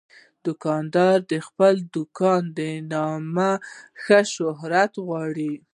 دوکاندار د خپل دوکان د نوم ښه شهرت غواړي.